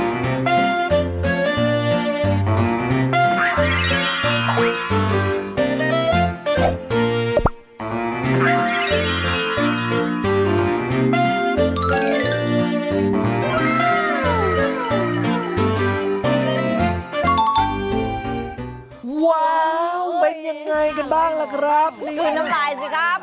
ว้าวเป็นยังไงกันบ้างล่ะครับนี่คือน้ำลายสิครับ